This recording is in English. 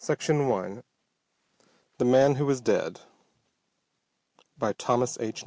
Chicago. The Man Who Was Dead _By Thomas H.